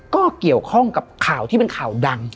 ก็เกี่ยวข้องกับข่าวที่เป็นข่าวดัง